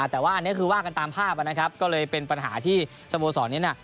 แต่ว่าอันนี้คือว่ากันตามภาพนะครับก็เลยเป็นปัญหาที่สโมสรนี้เนี่ย